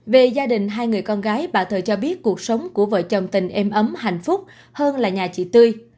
về gia đình hai người con gái bà thời cho biết cuộc sống của vợ chồng tình êm ấm hạnh phúc hơn là nhà chị tươi